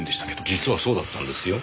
実はそうだったんですよ。